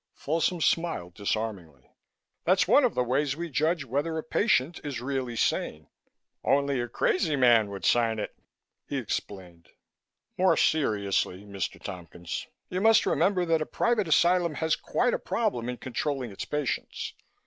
Folsom smiled disarmingly. "That's one of the ways we judge whether a patient is really sane. Only a crazy man would sign it," he explained. "More seriously, Mr. Tompkins, you must remember that a private asylum has quite a problem in controlling its patients.